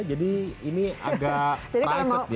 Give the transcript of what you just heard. jadi ini agak private ya